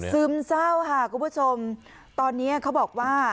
ซึมเศร้าค่ะคุณผู้ชมตอนนี้เขาบอกว่า